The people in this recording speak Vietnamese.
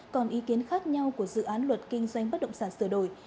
còn ý kiến khác nhau của dự án luật kinh doanh bất động sản sửa đổi